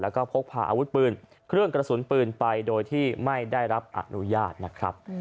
แล้วก็พกพาอาวุธปืนเครื่องกระสุนปืนไปโดยที่ไม่ได้รับอนุญาตนะครับ